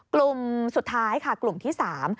กลุ่มสุดท้ายกลุ่มที่๓